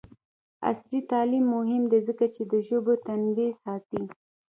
عصري تعلیم مهم دی ځکه چې د ژبو تنوع ساتي.